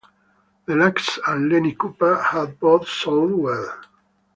The Lacs and Lenny Cooper have both sold well.